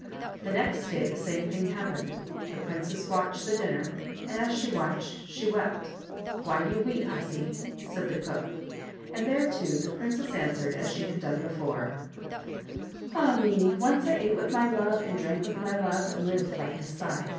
The next day the same thing happened; the princess watched the dinner, and as she watched she wept. "Why do you weep, hussy?" said the cook. And thereto the princess answered as she had done before :" Ah me ! once I ate with my love and drank with my love and lived by his side.